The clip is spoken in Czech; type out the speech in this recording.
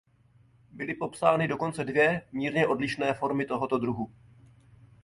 Byly popsány dokonce dvě mírně odlišné formy tohoto druhu.